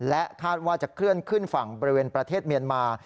และคาดว่าจะเคลื่อนขึ้นฝั่งบริเวณประเทศเมียนมา